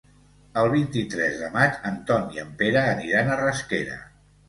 El vint-i-tres de maig en Ton i en Pere aniran a Rasquera.